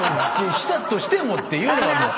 「したとしても」っていうのが。